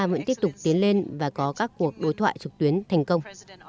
vẫn tiếp tục tiến lên và có các cuộc đối thoại trực tuyến thành công